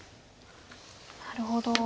なるほど。